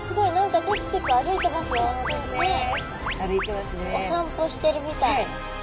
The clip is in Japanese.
お散歩してるみたい。